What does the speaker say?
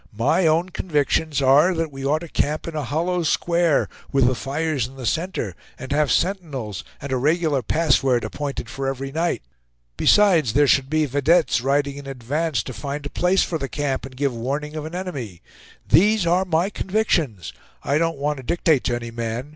My own convictions are that we ought to camp in a hollow square, with the fires in the center; and have sentinels, and a regular password appointed for every night. Besides, there should be vedettes, riding in advance, to find a place for the camp and give warning of an enemy. These are my convictions. I don't want to dictate to any man.